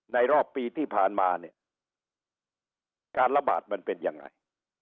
รอบปีที่ผ่านมาเนี่ยการระบาดมันเป็นยังไง